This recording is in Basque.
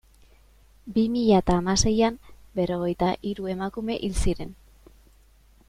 Bi mila eta hamaseian berrogeita hiru emakume hil ziren.